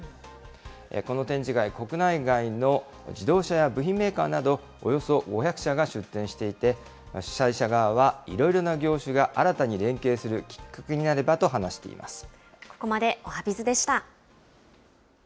この展示会、国内外の自動車や部品メーカーなど、およそ５００社が出展していて、主催者側はいろいろな業種が新たに連携するきっかけになればと話ここまでおはＢｉｚでした。